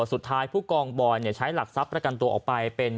ผู้กองบอยใช้หลักทรัพย์ประกันตัวออกไปเป็น